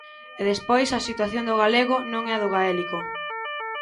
E despois, a situación do galego non é a do gaélico.